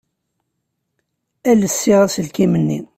Ales ssiɣ aselkim-nni.